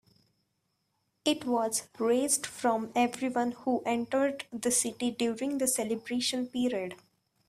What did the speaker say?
It was raised from everyone who entered the city during the celebration period.